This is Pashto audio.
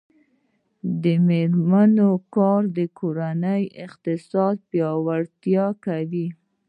د میرمنو کار د کورنۍ اقتصاد پیاوړتیا کوي.